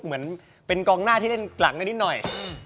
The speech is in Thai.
เหมือนเป็นกองหน้าที่เล่นหลังกันนิดหน่อย